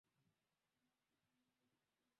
Alihukumia kifungo cha miaka kumi na tano jela